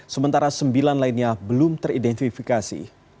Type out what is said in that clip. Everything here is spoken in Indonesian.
sementara sembilan lainnya belum teridentifikasi